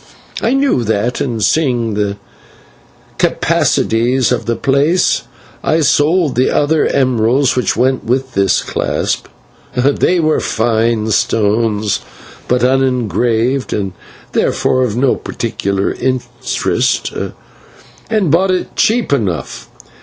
I knew that, and, seeing the capacities of the place, I sold the other emeralds which went with this clasp they were fine stones, but unengraved, and therefore of no particular interest and bought it cheap enough.